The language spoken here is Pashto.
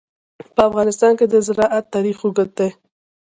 په افغانستان کې د زراعت تاریخ اوږد دی.